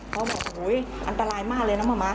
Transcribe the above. พ่อบอกอุ้ยอันตรายมากเลยนะมะม้า